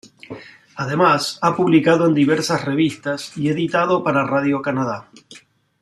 Además, ha publicado en diversas revistas y editado para Radio-Canada.